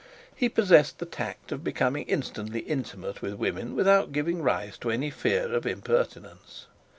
He possessed the tact of becoming instantly intimate with women without giving rise to any fear of impertinence.